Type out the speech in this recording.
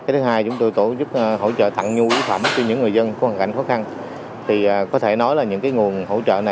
thứ hai chúng tôi tổ chức hỗ trợ tặng nhu yếu phẩm cho những người dân có hành khách khó khăn